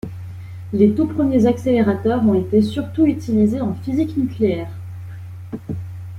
Les tout premiers accélérateurs ont été surtout utilisés en physique nucléaire.